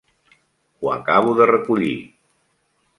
Ho acabo de recollir.